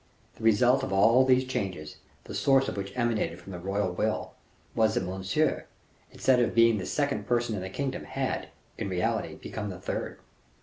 The result of all these changes, the source of which emanated from the royal will, was that Monsieur, instead of being the second person in the kingdom, had, in reality, become the third.